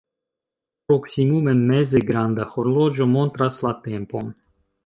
Proksimume meze granda horloĝo montras la tempon.